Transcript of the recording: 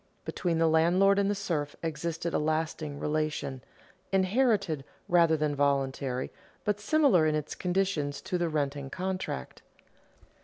Between the landlord and the serf existed a lasting relation, inherited rather than voluntary, but similar in its conditions to the renting contract.